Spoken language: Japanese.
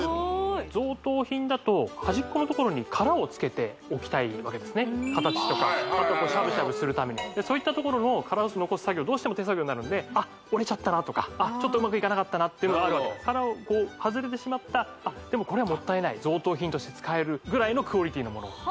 贈答品だとはじっこのところに殻をつけておきたいわけですね形とかしゃぶしゃぶするためにそういったところの殻を残す作業どうしても手作業になるんで「あっ折れちゃったな」とか「あっちょっとうまくいかなかったな」って殻を外れてしまったでもこれはもったいない贈答品として使えるぐらいのクオリティーのもの